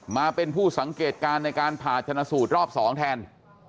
มาเป็นผู้สังเกตการณ์ในการผ่าชนะสูตรรอบ๒แทน